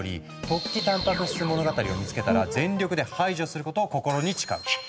「突起たんぱく質物語」を見つけたら全力で排除することを心に誓う。